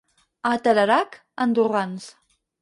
A Tarerac, andorrans.